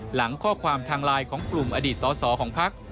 หลังข้อความทางลายของกลุ่มอดีตสอของพรรค